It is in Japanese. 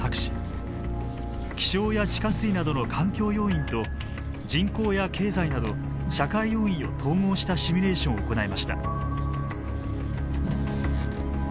気象や地下水などの環境要因と人口や経済など社会要因を統合したシミュレーションを行いました。